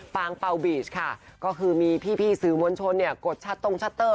เปล่าบีชค่ะก็คือมีพี่สื่อมวลชนเนี่ยกดชัดตรงชัตเตอร์